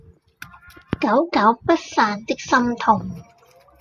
久久不散的心痛